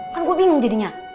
kan gue bingung jadinya